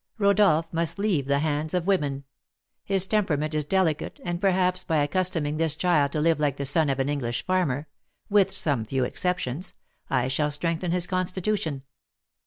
Rodolph must leave the hands of women; his temperament is delicate, and, perhaps, by accustoming this child to live like the son of an English farmer (with some few exceptions), I shall strengthen his constitution."